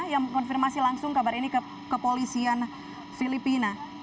yang mengkonfirmasi langsung kabar ini ke kepolisian filipina